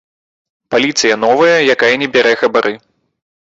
Паліцыя новая, якая не бярэ хабары.